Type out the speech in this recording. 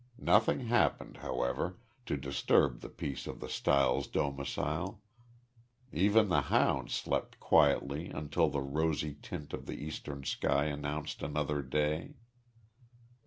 Nothing happened, however, to disturb the peace of the Stiles domicile. Even the hound slept quietly until the rosy tint of the eastern sky announced another day.